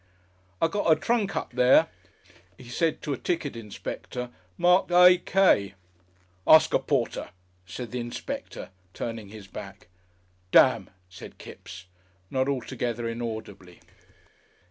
"I got a trunk up there," he said to a ticket inspector, "marked A. K." "Ask a porter," said the inspector, turning his back. "Demn!" said Kipps, not altogether inaudibly.